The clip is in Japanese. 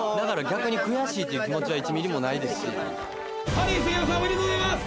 ハリー杉山さんおめでとうございます！